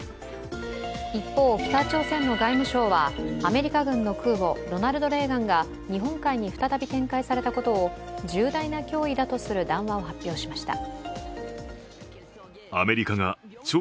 一方、北朝鮮の外務省はアメリカ軍の空母、「ロナルド・レーガン」が日本海に再び展開されたことを重大な脅威だとする談話を発表しました。